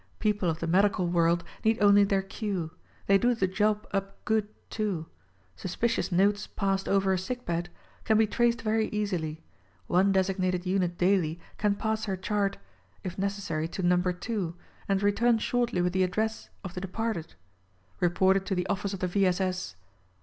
People of the medical world need only their cue. They do the job up good, too. Suspicious notes passed over a sick bed ?— can be traced very easily : One designated unit daily can pass her chart — if necessary, to No. 2 — and return shortly with the address of the departed? Report it to the office of the V. S. S.